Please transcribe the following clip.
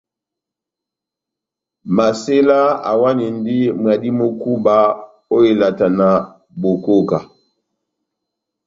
Masela awanindi mwadi mú kúba ó ilata na bokóká.